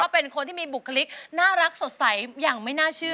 เป็นคนที่มีบุคลิกน่ารักสดใสอย่างไม่น่าเชื่อ